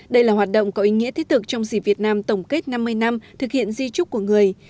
đây là hoạt động có ý nghĩa thiết thực trong dịp việt nam tổng kết năm mươi năm thực hiện di trúc của người